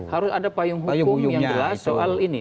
harus ada payung hukum yang jelas soal ini